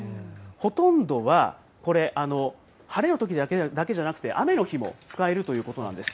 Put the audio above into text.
ほとんどはこれ、晴れのときだけではなくて、雨の日も使えるということなんです。